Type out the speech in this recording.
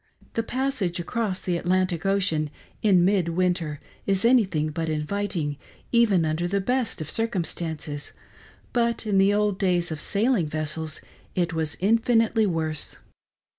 The passage across the Atlantic Ocean in mid winter is anything but inviting even under the best of circumstances, but in the old days of sailing ves sels it was infinitely worse.